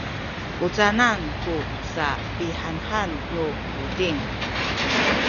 u canan ku sapihanhan nu buting?